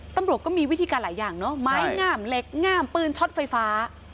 ตำรวจก็มีวิธีการหลายอย่างเนอะไม้งามเหล็กง่ามปืนช็อตไฟฟ้า